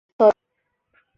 Sorry রে বাপ!